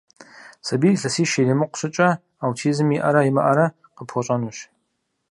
Сабийр илъэсищ иримыкъу щӀыкӀэ аутизм иӀэрэ имыӀэрэ къыпхуэщӀэнущ.